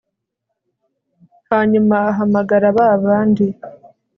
hanyuma ahamagara ba bandi